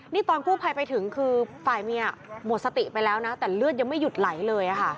นี่ตอนกู้ภัยไปถึงคือฝ่ายเมียหมดสติไปแล้วนะแต่เลือดยังไม่หยุดไหลเลยค่ะ